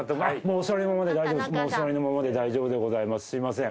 お座りのままで大丈夫でございます。